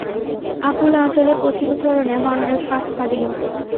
আকুল আঁচলে পথিকচরণে মরণের ফাঁদ ফাঁদিয়ো।